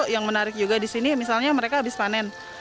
yang menarik juga di sini misalnya mereka habis panen